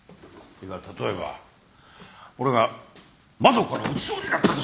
例えば俺が窓から落ちそうになったとする。